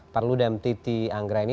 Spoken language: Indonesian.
parludem titi anggraini